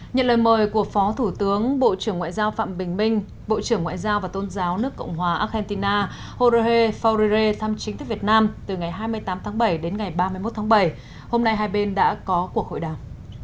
nhận lời mời của phó thủ tướng bộ trưởng ngoại giao phạm bình minh bộ trưởng ngoại giao và tôn giáo nước cộng hòa argentina jorge faurire thăm chính thức việt nam từ ngày hai mươi tám tháng bảy đến ngày ba mươi một tháng bảy hôm nay hai bên đã có cuộc hội đàm